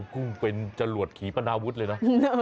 กุ้งเป็นจรวดขีปนาวุฒิเลยนะ